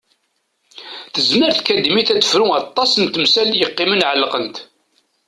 Tezmer tkadimit ad tefru aṭas n temsal yeqqimen ɛelqent.